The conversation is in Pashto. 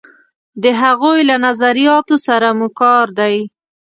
د هغوی له نظریاتو سره مو کار دی.